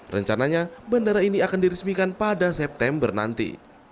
rencananya bandara ini akan diresmikan pada september nanti